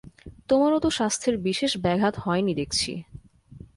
তোমারও তো স্বাস্থ্যের বিশেষ ব্যাঘাত হয় নি দেখছি।